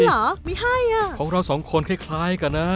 ไม่ให้อ่ะมันไม่ชิ้นของเราสองคนคล้ายกันนะ